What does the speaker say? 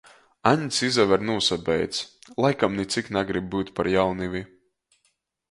Aņds izaver nūsabeids, laikam nicik nagrib byut par jaunivi.